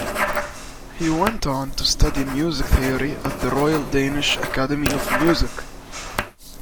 He went on to study music theory at the Royal Danish Academy of Music.